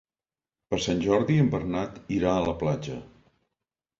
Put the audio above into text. Per Sant Jordi en Bernat irà a la platja.